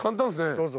どうぞ。